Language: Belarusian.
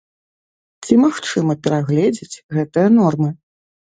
Ці магчыма перагледзець гэтыя нормы?